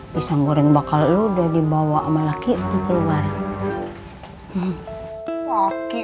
pisang goreng bakal udah dibawa sama laki laki